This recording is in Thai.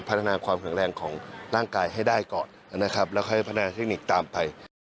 พัฒนาความแข็งแรงของร่างกายให้ได้ก่อนนะครับแล้วค่อยพัฒนาเทคนิคตามไป